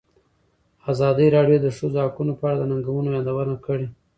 ازادي راډیو د د ښځو حقونه په اړه د ننګونو یادونه کړې.